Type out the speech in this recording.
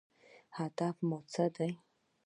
هدف مو څه دی؟